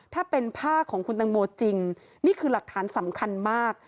ถ้าเป็นผ้าของคุณตังโมจริงนี่คือหลักฐานสำคัญมาก